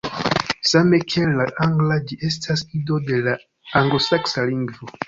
Same kiel la angla, ĝi estas ido de la anglosaksa lingvo.